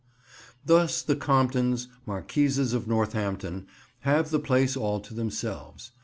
Thus the Comptons, Marquises of Northampton, have the place all to themselves.